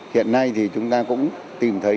hiện nay thì chúng ta cũng tìm thấy